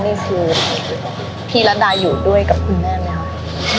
นี่คือพี่รัฐดาอยู่ด้วยกับคุณแม่ไหมครับ